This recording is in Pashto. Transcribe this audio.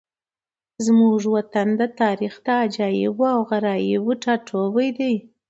زموږ وطن د تاریخ د عجایبو او غرایبو ټاټوبی دی.